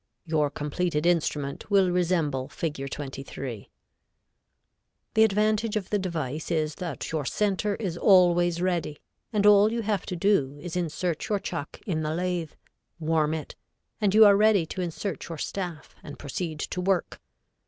Your completed instrument will resemble Fig. 23. [Illustration: Fig. 23.] The advantage of the device is that your center is always ready, and all you have to do is to insert your chuck in the lathe, warm it, and you are ready to insert your staff and proceed to work.